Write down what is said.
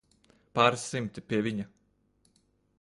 Pāris simti, pie viņa.